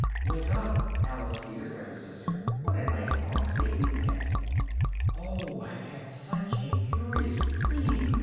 "Wake up! Alice dear!" said her sister, "what a nice long sleep you've had!" "Oh, I've had such a curious dream!"